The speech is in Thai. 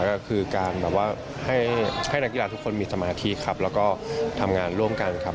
ก็คือการแบบว่าให้นักกีฬาทุกคนมีสมาธิครับแล้วก็ทำงานร่วมกันครับ